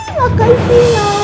ih makasih ya